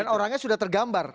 dan orangnya sudah tergambar